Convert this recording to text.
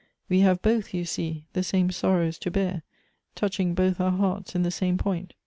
We have both, you see, the same sorrows to bear, touching both our hearts in the same point.